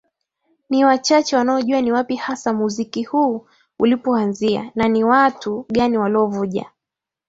ni wachache wanaojua ni wapi hasa muziki huu ulipoanzia na ni watu gani waliovuja